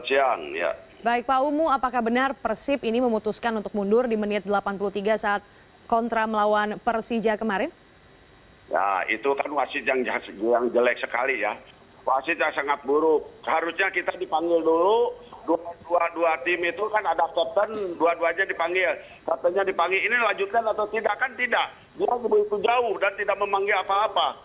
ini dilajukan atau tidak kan tidak kita begitu jauh dan tidak memanggil apa apa